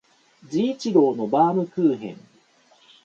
治一郎のバームクーヘン